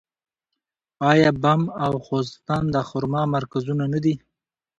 آیا بم او خوزستان د خرما مرکزونه نه دي؟